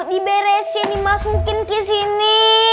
diberesin dimasukin kesini